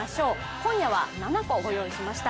今夜は７個ご用意しました。